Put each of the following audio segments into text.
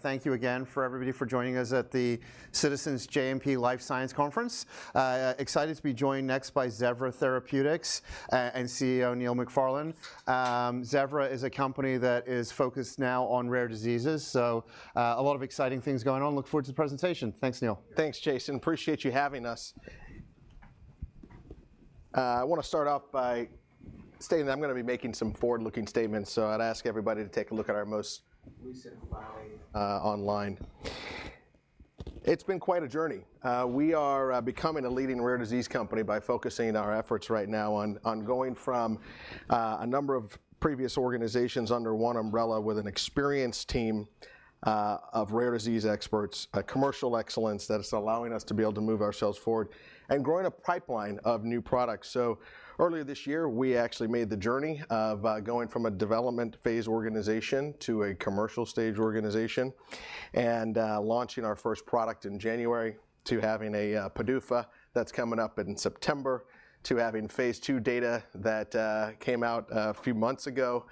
Thank you again for everybody for joining us at the Citizens JMP Life Sciences Conference. Excited to be joined next by Zevra Therapeutics, and CEO Neil McFarlane. Zevra is a company that is focused now on rare diseases, so, a lot of exciting things going on. Look forward to the presentation. Thanks, Neil. Thanks, Jason. Appreciate you having us. I want to start off by stating that I'm going to be making some forward-looking statements, so I'd ask everybody to take a look at our most recent filing, online. It's been quite a journey. We are becoming a leading rare disease company by focusing our efforts right now on going from a number of previous organizations under one umbrella with an experienced team of rare disease experts. A commercial excellence that is allowing us to be able to move ourselves forward, and growing a pipeline of new products. So earlier this year, we actually made the journey of going from a development phase organization to a commercial stage organization, and launching our first product in January, to having a PDUFA that's coming up in September, to having phase II data that came out a few months ago.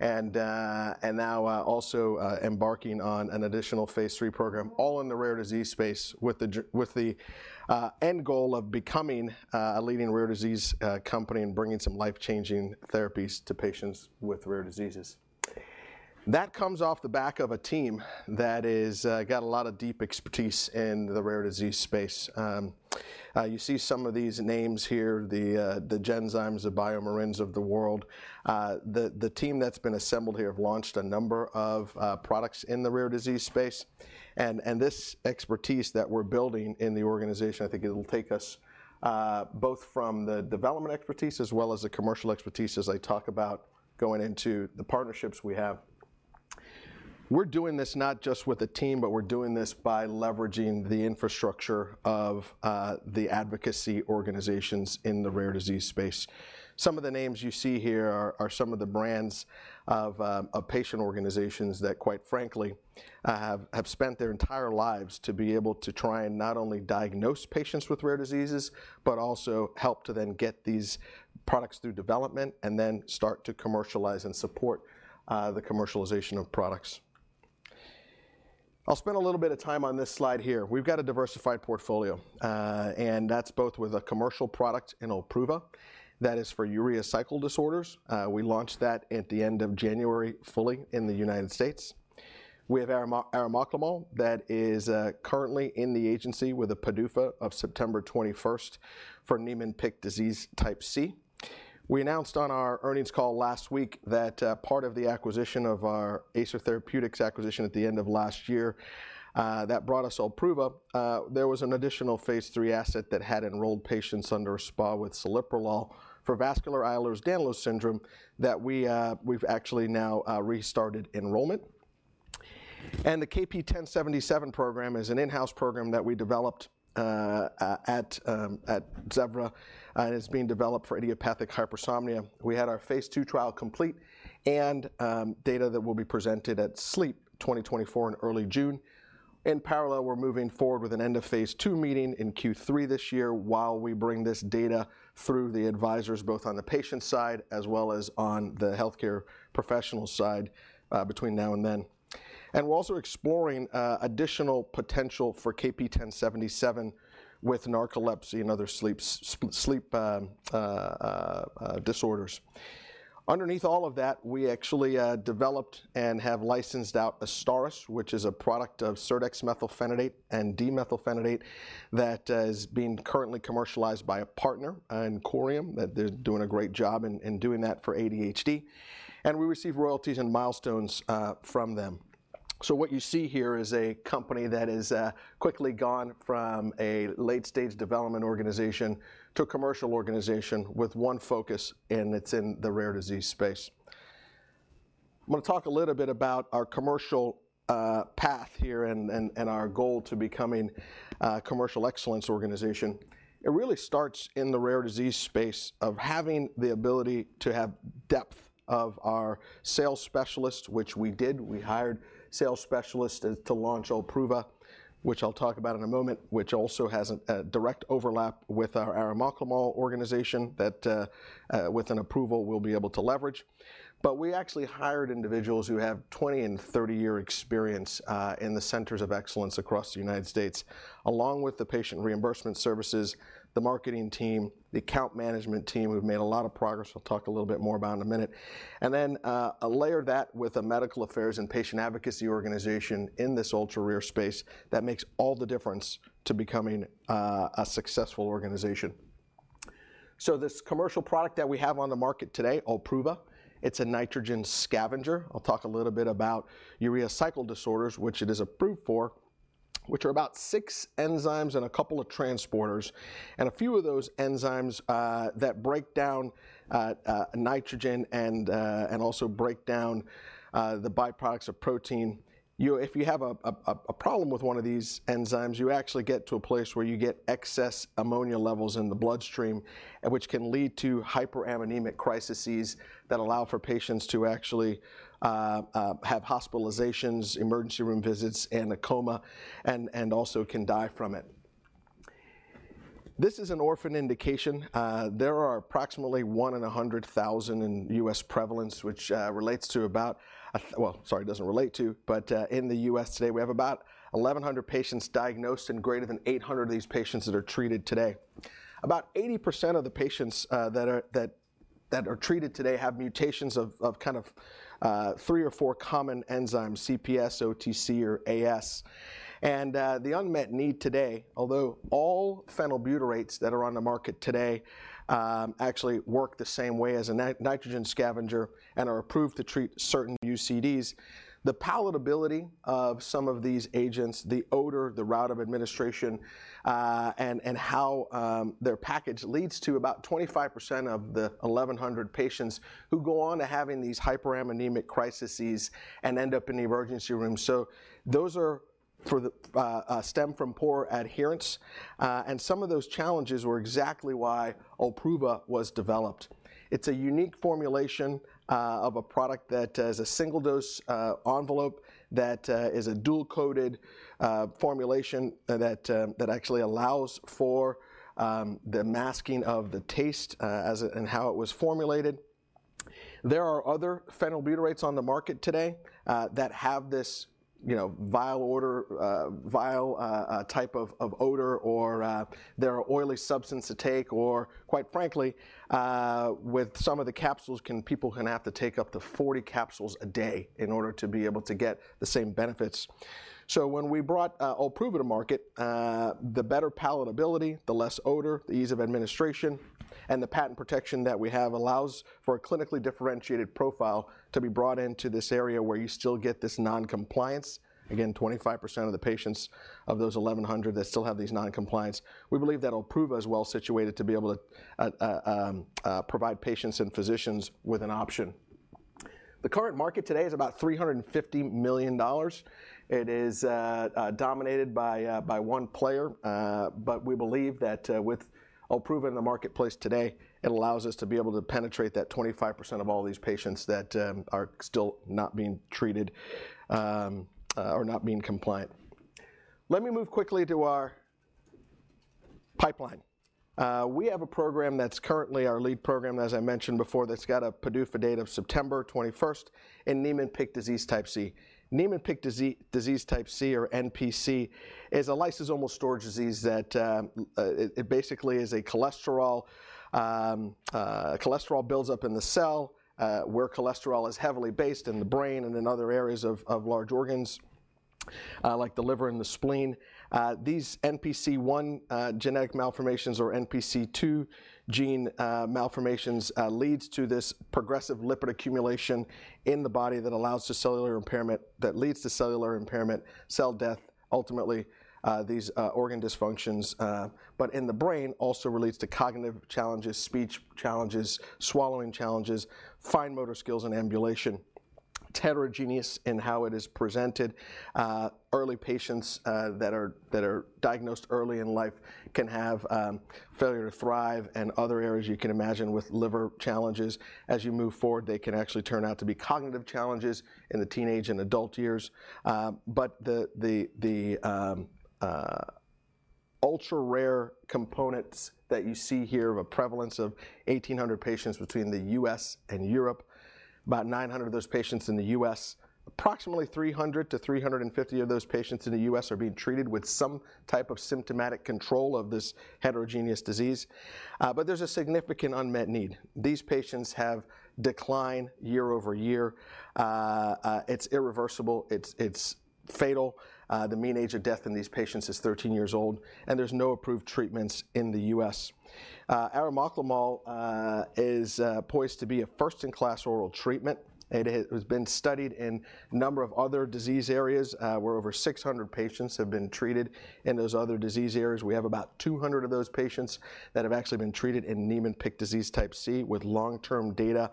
And now also embarking on an additional phase III program, all in the rare disease space, with the end goal of becoming a leading rare disease company, and bringing some life-changing therapies to patients with rare diseases. That comes off the back of a team that is got a lot of deep expertise in the rare disease space. You see some of these names here, the Genzymes, the BioMarins of the world. The team that's been assembled here have launched a number of products in the rare disease space, and this expertise that we're building in the organization, I think it'll take us both from the development expertise as well as the commercial expertise, as I talk about going into the partnerships we have. We're doing this not just with a team, but we're doing this by leveraging the infrastructure of the advocacy organizations in the rare disease space. Some of the names you see here are some of the brands of patient organizations that, quite frankly, have spent their entire lives to be able to try and not only diagnose patients with rare diseases, but also help to then get these products through development, and then start to commercialize and support the commercialization of products. I'll spend a little bit of time on this slide here. We've got a diversified portfolio, and that's both with a commercial product in Olpruva, that is for urea cycle disorders. We launched that at the end of January, fully in the United States. We have arimoclomol, that is, currently in the agency with a PDUFA of September 21st, for Niemann-Pick disease type C. We announced on our earnings call last week that, part of the acquisition of our Acer Therapeutics acquisition at the end of last year, that brought us Olpruva. There was an additional phase III asset that had enrolled patients under a SPA with celiprolol for vascular Ehlers-Danlos syndrome, that we, we've actually now, restarted enrollment. The KP1077 program is an in-house program that we developed at Zevra, and is being developed for idiopathic hypersomnia. We had our Phase II trial complete, and data that will be presented at Sleep 2024 in early June. In parallel, we're moving forward with an end of Phase II meeting in Q3 this year, while we bring this data through the advisors, both on the patient side, as well as on the healthcare professionals side, between now and then. And we're also exploring additional potential for KP1077, with narcolepsy and other sleep disorders. Underneath all of that, we actually developed and have licensed out AZSTARYS, which is a product of serdexmethylphenidate and dexmethylphenidate, that is being currently commercialized by a partner in Corium, that they're doing a great job in doing that for ADHD, and we receive royalties and milestones from them. So what you see here is a company that is quickly gone from a late stage development organization to a commercial organization with one focus, and it's in the rare disease space. I'm gonna talk a little bit about our commercial path here, and our goal to becoming a commercial excellence organization. It really starts in the rare disease space, of having the ability to have depth of our sales specialists, which we did. We hired sales specialists to launch Olpruva, which I'll talk about in a moment, which also has a direct overlap with our arimoclomol organization that, with an approval, we'll be able to leverage. But we actually hired individuals who have 20- and 30-year experience in the centers of excellence across the United States, along with the patient reimbursement services, the marketing team, the account management team, who've made a lot of progress. We'll talk a little bit more about in a minute. And then layer that with a medical affairs and patient advocacy organization in this ultra-rare space that makes all the difference to becoming a successful organization. So this commercial product that we have on the market today, Olpruva, it's a nitrogen scavenger. I'll talk a little bit about urea cycle disorders, which it is approved for, which are about six enzymes and a couple of transporters, and a few of those enzymes that break down nitrogen and also break down the byproducts of protein. If you have a problem with one of these enzymes, you actually get to a place where you get excess ammonia levels in the bloodstream, and which can lead to hyperammonemic crises that allow for patients to actually have hospitalizations, emergency room visits, and a coma, and also can die from it.... This is an orphan indication. There are approximately 1 in 100,000 in U.S. prevalence, which relates to about, well, sorry, it doesn't relate to, but in the U.S. today, we have about 1,100 patients diagnosed, and greater than 800 of these patients that are treated today. About 80% of the patients that are treated today have mutations of kind of three or four common enzymes, CPS, OTC, or AS. The unmet need today, although all phenylbutyrates that are on the market today actually work the same way as a nitrogen scavenger and are approved to treat certain UCDs, the palatability of some of these agents, the odor, the route of administration, and how they're packaged leads to about 25% of the 1,100 patients who go on to having these hyperammonemic crises and end up in the emergency room. So those stem from poor adherence. And some of those challenges were exactly why Olpruva was developed. It's a unique formulation of a product that is a single-dose envelope that is a dual-coated formulation that actually allows for the masking of the taste as it... and how it was formulated. There are other phenylbutyrates on the market today, that have this, you know, vile odor, vile type of odor, or, they're an oily substance to take, or quite frankly, with some of the capsules, people can have to take up to 40 capsules a day in order to be able to get the same benefits. So when we brought Olpruva to market, the better palatability, the less odor, the ease of administration, and the patent protection that we have allows for a clinically differentiated profile to be brought into this area, where you still get this non-compliance. Again, 25% of the patients, of those 1,100, that still have these non-compliance. We believe that Olpruva is well-situated to be able to provide patients and physicians with an option. The current market today is about $350 million. It is dominated by one player. But we believe that with OLPRUVA in the marketplace today, it allows us to be able to penetrate that 25% of all these patients that are still not being treated or not being compliant. Let me move quickly to our pipeline. We have a program that's currently our lead program, as I mentioned before, that's got a PDUFA date of September 21st in Niemann-Pick disease type C. Niemann-Pick disease type C, or NPC, is a lysosomal storage disease that basically cholesterol builds up in the cell, where cholesterol is heavily based in the brain and in other areas of large organs, like the liver and the spleen. These NPC1 genetic malformations or NPC2 gene malformations leads to this progressive lipid accumulation in the body that leads to cellular impairment, cell death, ultimately these organ dysfunctions, but in the brain, also relates to cognitive challenges, speech challenges, swallowing challenges, fine motor skills, and ambulation. Heterogeneous in how it is presented. Early patients that are diagnosed early in life can have failure to thrive and other areas you can imagine with liver challenges. As you move forward, they can actually turn out to be cognitive challenges in the teenage and adult years. But the ultra-rare components that you see here have a prevalence of 1,800 patients between the U.S. and Europe, about 900 of those patients in the U.S. Approximately 300-350 of those patients in the U.S. are being treated with some type of symptomatic control of this heterogeneous disease, but there's a significant unmet need. These patients have decline year over year. It's irreversible, it's fatal. The mean age of death in these patients is 13 years old, and there's no approved treatments in the U.S. Arimoclomol is poised to be a first-in-class oral treatment. It has been studied in a number of other disease areas, where over 600 patients have been treated in those other disease areas. We have about 200 of those patients that have actually been treated in Niemann-Pick disease type C, with long-term data,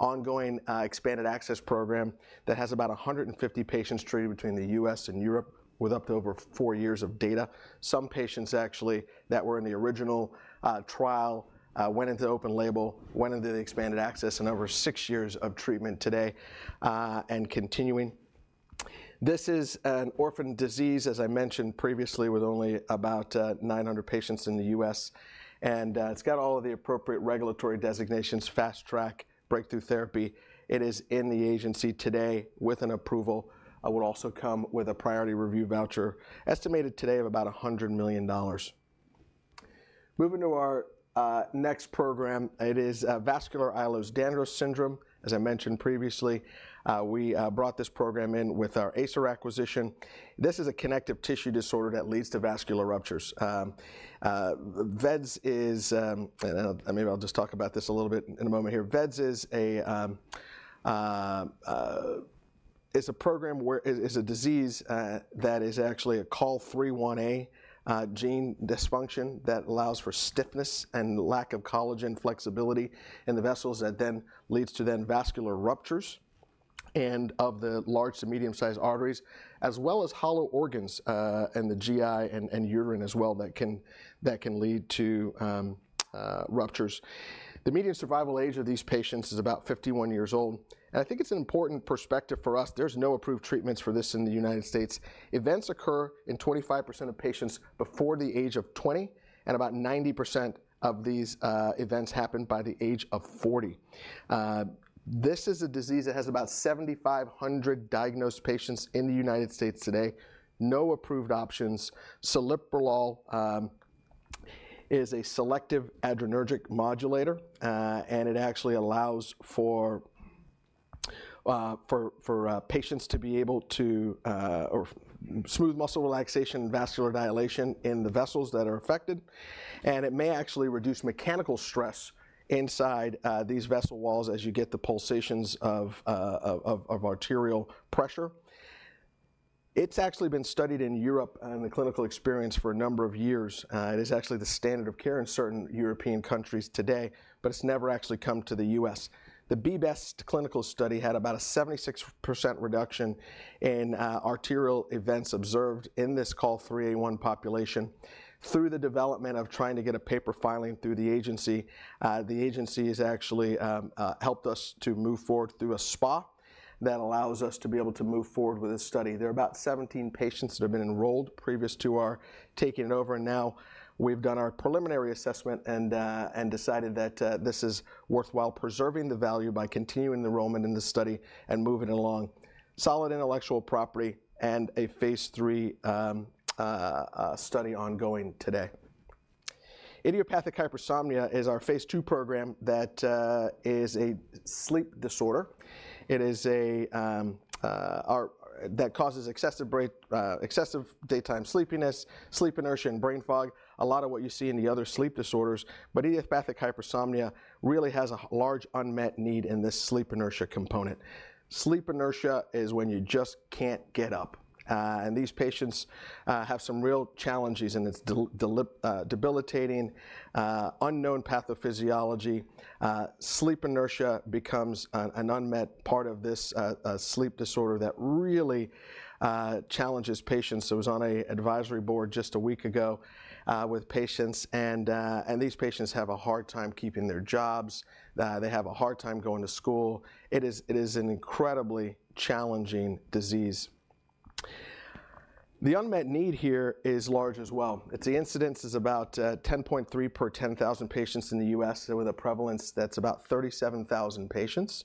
ongoing, expanded access program that has about 150 patients treated between the U.S. and Europe, with up to over 4 years of data. Some patients actually, that were in the original, trial, went into open label, went into the expanded access, and over 6 years of treatment today, and continuing. This is an orphan disease, as I mentioned previously, with only about 900 patients in the U.S., and, it's got all of the appropriate regulatory designations, Fast Track, Breakthrough Therapy. It is in the agency today with an approval. Would also come with a priority review voucher, estimated today of about $100 million. Moving to our next program, it is vascular Ehlers-Danlos syndrome. As I mentioned previously, we brought this program in with our Acer acquisition. This is a connective tissue disorder that leads to vascular ruptures. Maybe I'll just talk about this a little bit in a moment here. VEDS is a disease that is actually a COL3A1 gene dysfunction that allows for stiffness and lack of collagen flexibility in the vessels, that then leads to vascular ruptures and of the large to medium-sized arteries, as well as hollow organs, and the GI and urine as well, that can lead to ruptures. The median survival age of these patients is about 51 years old, and I think it's an important perspective for us. There's no approved treatments for this in the United States. Events occur in 25% of patients before the age of 20, and about 90% of these events happen by the age of 40. This is a disease that has about 7,500 diagnosed patients in the United States today. No approved options. Celiprolol is a selective adrenergic modulator, and it actually allows for smooth muscle relaxation and vascular dilation in the vessels that are affected, and it may actually reduce mechanical stress inside these vessel walls as you get the pulsations of arterial pressure. It's actually been studied in Europe and in the clinical experience for a number of years. It is actually the standard of care in certain European countries today, but it's never actually come to the U.S. The BBEST clinical study had about a 76% reduction in arterial events observed in this COL3A1 population. Through the development of trying to get a paper filing through the agency, the agency has actually helped us to move forward through a SPA that allows us to be able to move forward with this study. There are about 17 patients that have been enrolled previous to our taking it over, and now we've done our preliminary assessment and and decided that this is worthwhile preserving the value by continuing the enrollment in this study and moving it along. Solid intellectual property and a phase 3 study ongoing today. Idiopathic hypersomnia is our phase 2 program that is a sleep disorder. It is a that causes excessive daytime sleepiness, sleep inertia, and brain fog. A lot of what you see in the other sleep disorders, but idiopathic hypersomnia really has a large unmet need in this sleep inertia component. Sleep inertia is when you just can't get up, and these patients have some real challenges, and it's debilitating, unknown pathophysiology. Sleep inertia becomes an unmet part of this sleep disorder that really challenges patients. I was on an advisory board just a week ago, with patients and these patients have a hard time keeping their jobs. They have a hard time going to school. It is an incredibly challenging disease. The unmet need here is large as well. The incidence is about 10.3 per 10,000 patients in the U.S., with a prevalence that's about 37,000 patients.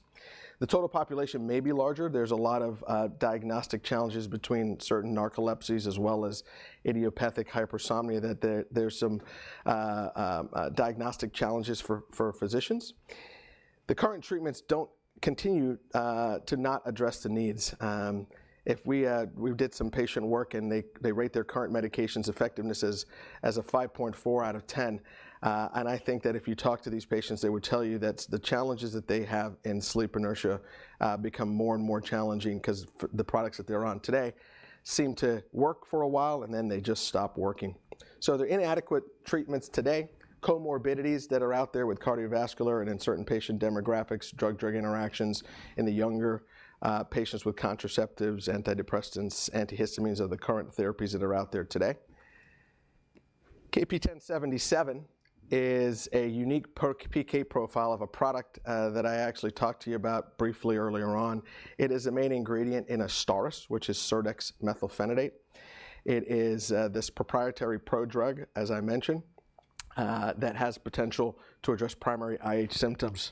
The total population may be larger. There's a lot of diagnostic challenges between certain narcolepsies, as well as idiopathic hypersomnia. There's some diagnostic challenges for physicians. The current treatments don't continue to not address the needs. If we did some patient work, and they rate their current medications' effectiveness as a 5.4 out of ten. And I think that if you talk to these patients, they would tell you that the challenges that they have in sleep inertia become more and more challenging because the products that they're on today seem to work for a while, and then they just stop working. There are inadequate treatments today, comorbidities that are out there with cardiovascular and in certain patient demographics, drug-drug interactions in the younger, patients with contraceptives, antidepressants, antihistamines are the current therapies that are out there today. KP1077 is a unique prodrug PK profile of a product, that I actually talked to you about briefly earlier on. It is a main ingredient in AZSTARYS, which is serdexmethylphenidate. It is, this proprietary prodrug, as I mentioned, that has potential to address primary IH symptoms.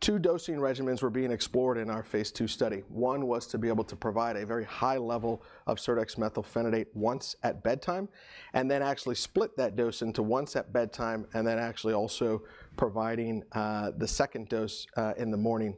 Two dosing regimens were being explored in our phase II study. One was to be able to provide a very high level of serdexmethylphenidate once at bedtime, and then actually split that dose into once at bedtime, and then actually also providing, the second dose, in the morning.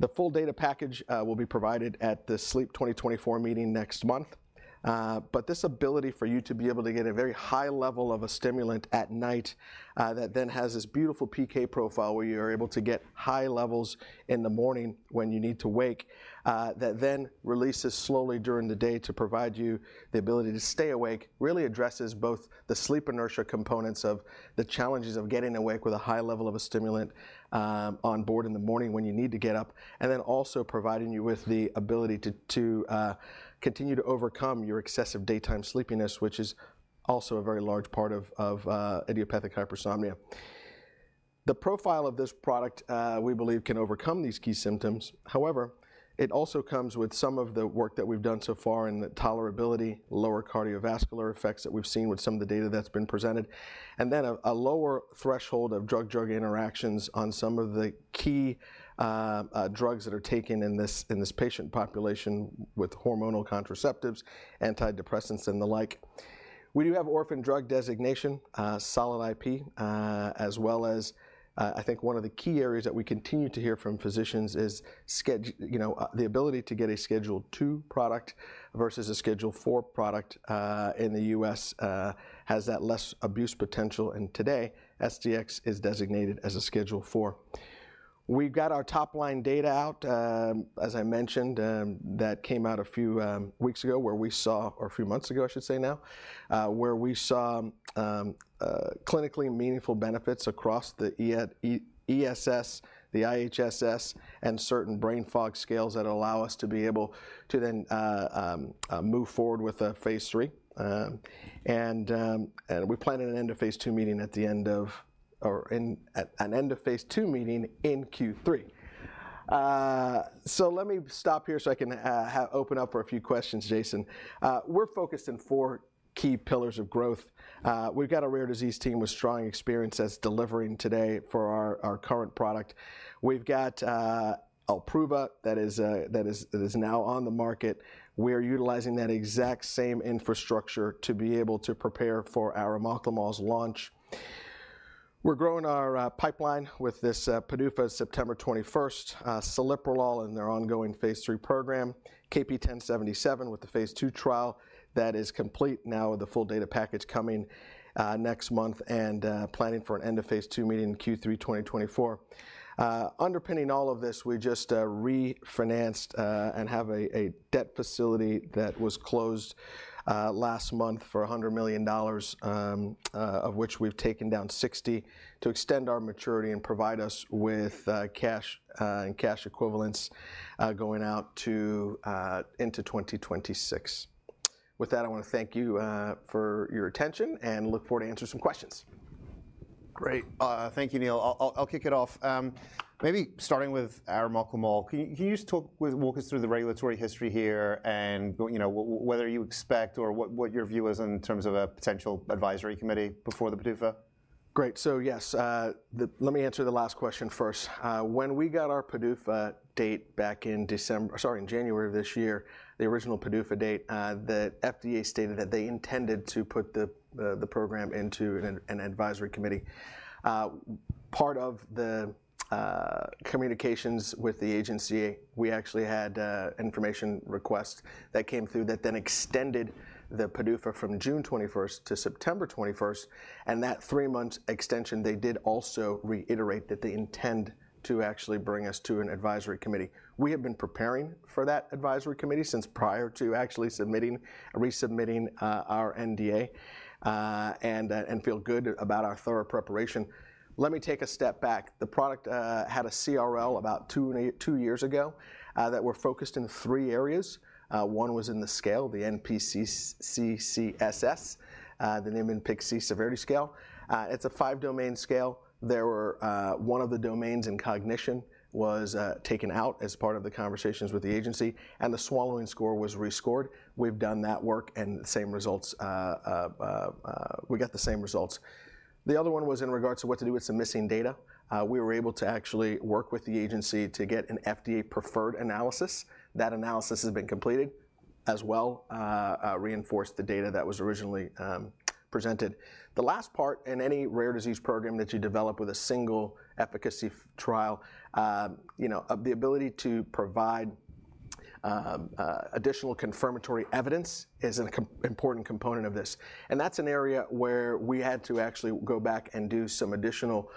The full data package will be provided at the Sleep 2024 meeting next month. But this ability for you to be able to get a very high level of a stimulant at night, that then has this beautiful PK profile, where you are able to get high levels in the morning when you need to wake, that then releases slowly during the day to provide you the ability to stay awake, really addresses both the sleep inertia components of the challenges of getting awake with a high level of a stimulant, on board in the morning when you need to get up. And then also providing you with the ability to continue to overcome your excessive daytime sleepiness, which is also a very large part of idiopathic hypersomnia. The profile of this product, we believe, can overcome these key symptoms. However, it also comes with some of the work that we've done so far in the tolerability, lower cardiovascular effects that we've seen with some of the data that's been presented, and then a lower threshold of drug-drug interactions on some of the key drugs that are taken in this patient population with hormonal contraceptives, antidepressants, and the like. We do have orphan drug designation, solid IP, as well as, I think one of the key areas that we continue to hear from physicians is schedule, you know, the ability to get a Schedule II product versus a Schedule IV product in the U.S. has that less abuse potential, and today, SDX is designated as a Schedule IV. We've got our top-line data out, as I mentioned, that came out a few weeks ago or a few months ago, I should say now, where we saw clinically meaningful benefits across the ESS, the IHSS, and certain brain fog scales that allow us to be able to then move forward with a Phase III. And we're planning an end of Phase II meeting in Q3. So let me stop here so I can open up for a few questions, Jason. We're focused in four key pillars of growth. We've got a rare disease team with strong experience that's delivering today for our current product. We've got Olpruva, that is now on the market. We're utilizing that exact same infrastructure to be able to prepare for arimoclomol's launch. We're growing our pipeline with this PDUFA, September 21st, celiprolol and their ongoing phase III program. KP1077 with the phase II trial, that is complete now, with the full data package coming next month, and planning for an end of phase II meeting in Q3 2024. Underpinning all of this, we just refinanced and have a debt facility that was closed last month for $100 million, of which we've taken down $60 million, to extend our maturity and provide us with cash and cash equivalents going out to into 2026. With that, I wanna thank you for your attention, and look forward to answer some questions. Great. Thank you, Neil. I'll kick it off. Maybe starting with arimoclomol, can you just walk us through the regulatory history here, and, you know, whether you expect or what your view is in terms of a potential advisory committee before the PDUFA? Great. So yes, let me answer the last question first. When we got our PDUFA date back in January of this year, the original PDUFA date, the FDA stated that they intended to put the program into an advisory committee. Part of the communications with the agency, we actually had information requests that came through, that then extended the PDUFA from June 21st to September 21st, and that three-month extension, they did also reiterate that they intend to actually bring us to an advisory committee. We have been preparing for that advisory committee since prior to actually submitting, resubmitting, our NDA, and feel good about our thorough preparation. Let me take a step back. The product had a CRL about two years ago, that were focused in three areas. One was in the scale, the NPC-CCSS, the Niemann-Pick C Severity Scale. It's a five-domain scale. There were one of the domains in cognition was taken out as part of the conversations with the agency, and the swallowing score was rescored. We've done that work, and the same results, we got the same results. The other one was in regards to what to do with some missing data. We were able to actually work with the agency to get an FDA preferred analysis. That analysis has been completed, as well, reinforced the data that was originally presented. The last part in any rare disease program that you develop with a single efficacy trial, you know, of the ability to provide additional confirmatory evidence, is an important component of this. And that's an area where we had to actually go back and do some additional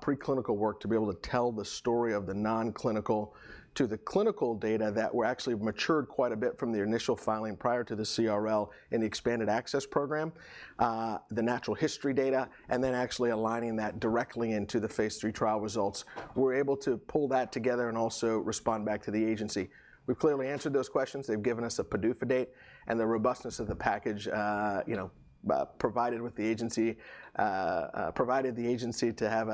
pre-clinical work, to be able to tell the story of the non-clinical to the clinical data, that were actually matured quite a bit from the initial filing prior to the CRL in the expanded access program, the natural history data, and then actually aligning that directly into the phase III trial results. We were able to pull that together, and also respond back to the agency. We've clearly answered those questions, they've given us a PDUFA date, and the robustness of the package, you know, provided the agency to have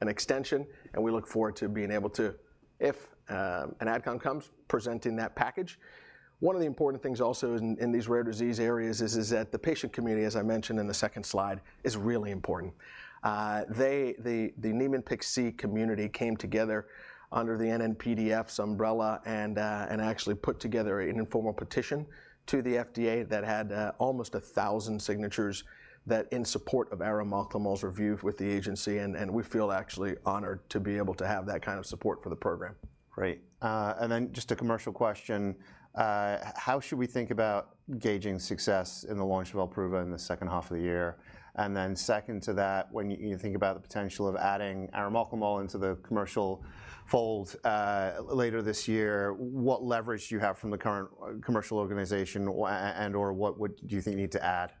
an extension, and we look forward to being able to, if an AdCom comes, presenting that package. One of the important things also in these rare disease areas is that the patient community, as I mentioned in the second slide, is really important. The Niemann-Pick C community came together under the NNPDF's umbrella and actually put together an informal petition to the FDA that had almost 1,000 signatures in support of arimoclomol's review with the agency. And we feel actually honored to be able to have that kind of support for the program. Great. And then just a commercial question, how should we think about gauging success in the launch of Olpruva in the second half of the year? And then second to that, when you think about the potential of adding arimoclomol into the commercial fold, later this year, what leverage do you have from the current commercial organization, and/or what do you think you need to add?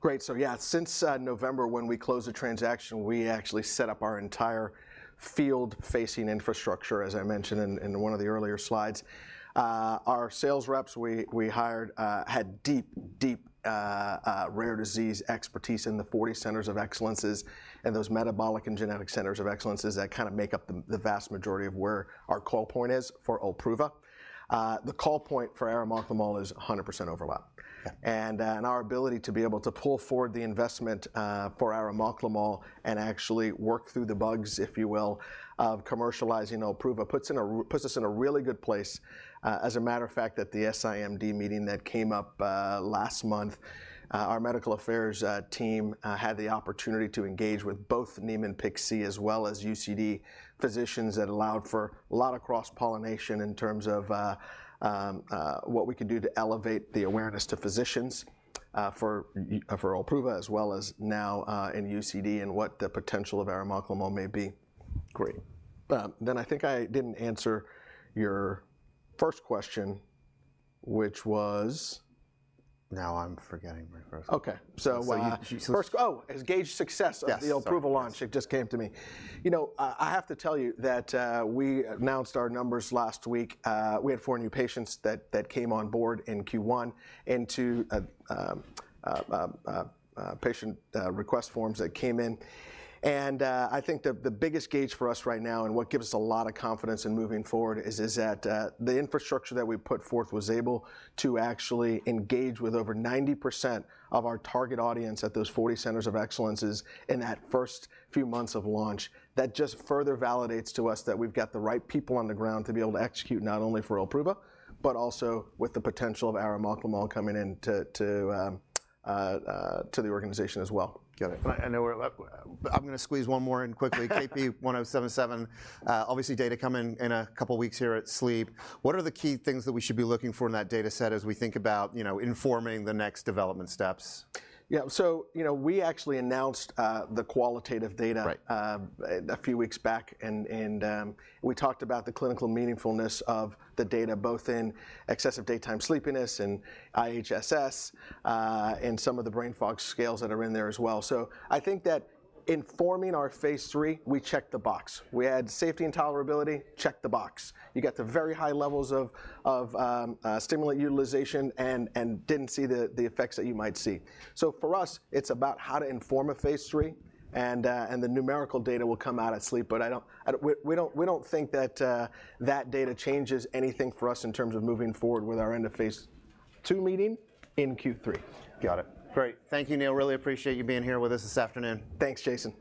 Great. So yeah, since November, when we closed the transaction, we actually set up our entire field-facing infrastructure, as I mentioned in one of the earlier slides. Our sales reps we hired had deep rare disease expertise in the 40 centers of excellence, and those metabolic and genetic centers of excellence, that kind of make up the vast majority of where our call point is for Olpruva. The call point for arimoclomol is 100% overlap. Yeah. our ability to be able to pull forward the investment for arimoclomol, and actually work through the bugs, if you will, of commercializing Olpruva, puts us in a really good place. As a matter of fact, at the SIMD meeting that came up last month, our medical affairs team had the opportunity to engage with both Niemann-Pick C, as well as UCD physicians. That allowed for a lot of cross-pollination in terms of what we could do to elevate the awareness to physicians for Olpruva as well as now in UCD, and what the potential of arimoclomol may be. Great. Then I think I didn't answer your first question, which was... Now I'm forgetting my first- Okay, so. Well, so- First, oh! It was gauge success. Yes... of the Olpruva launch. It just came to me. You know, I have to tell you that we announced our numbers last week. We had four new patients that came on board in Q1, and two patient request forms that came in. And I think the biggest gauge for us right now, and what gives us a lot of confidence in moving forward, is that the infrastructure that we put forth was able to actually engage with over 90% of our target audience at those 40 centers of excellence in that first few months of launch. That just further validates to us that we've got the right people on the ground to be able to execute, not only for Olpruva, but also with the potential of arimoclomol coming in to the organization as well. Got it. I know I'm gonna squeeze one more in quickly. KP1077, obviously data come in in a couple weeks here at Sleep. What are the key things that we should be looking for in that data set as we think about, you know, informing the next development steps? Yeah, so you know, we actually announced the qualitative data- Right... a few weeks back, and we talked about the clinical meaningfulness of the data, both in excessive daytime sleepiness, and IHSS, and some of the brain fog scales that are in there as well. So I think that informing our phase 3, we checked the box. We had safety and tolerability, checked the box. You got the very high levels of stimulant utilization, and didn't see the effects that you might see. So for us, it's about how to inform a phase 3, and the numerical data will come out at Sleep. But we don't think that data changes anything for us in terms of moving forward with our end of phase 2 meeting in Q3. Got it. Great. Thank you, Neil. Really appreciate you being here with us this afternoon. Thanks, Jason.